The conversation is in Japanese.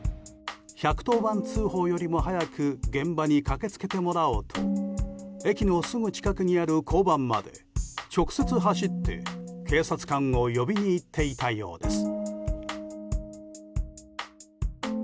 １１０番通報よりも早く現場に駆け付けてもらおうと駅のすぐ近くにある交番まで直接走って警察官を呼びに行っていたようです。